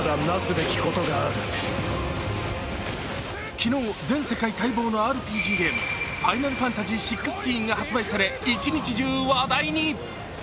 昨日、全世界待望のＲＰＧゲーム「ファイナルファンタジーＸＶＩ」が発売され一日中、話題に。